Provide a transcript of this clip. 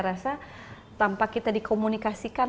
rasa tanpa kita dikomunikasikan